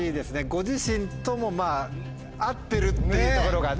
ご自身とも合ってるっていうところがね。